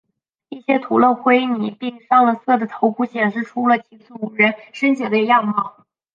一些涂了灰泥并上了色的头骨显示出了其主人生前的样貌。